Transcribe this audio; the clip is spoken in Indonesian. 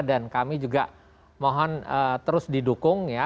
dan kami juga mohon terus didukung